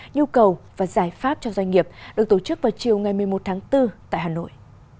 nhu cầu và giải pháp cho doanh nghiệp được tổ chức vào chiều ngày một mươi một tháng bốn tại hà nội